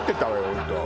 本当。